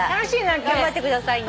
頑張ってくださいね。